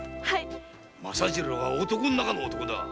政次郎は男の中の男だ。